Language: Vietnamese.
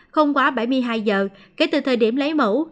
không quá bảy mươi hai giờ kể từ thời điểm lấy mẫu